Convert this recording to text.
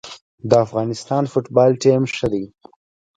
د افغانستان فوتبال ټیم ښه دی